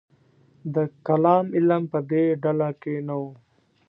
د کلام علم په دې ډله کې نه و.